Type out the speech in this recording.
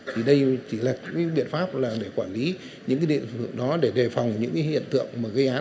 thì đây chỉ là cái biện pháp để quản lý những cái địa phương đó để đề phòng những cái hiện tượng